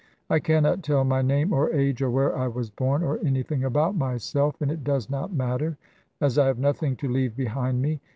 I cannot tell my name, or age, or where I was born, or anything about myself; and it does not matter, as I have nothing to leave behind me.